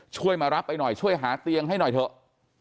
ช่วยมารับไปหน่อยช่วยหาเตียงให้หน่อยเถอะ